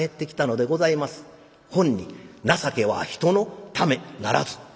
ほんに『情けは人のためならず』」。